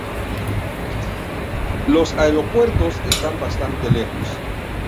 Los aeropuertos están bastante lejos.